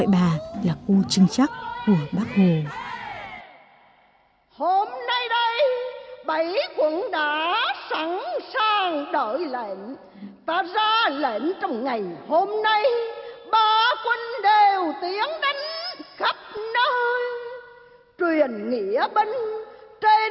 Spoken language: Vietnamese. bác sĩ quận đã sẵn sàng